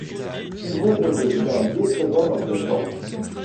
Simon redevient deux semaines en septembre.